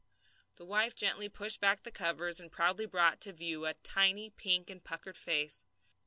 The wife gently pushed back the covers and proudly brought to view a tiny pink and puckered face.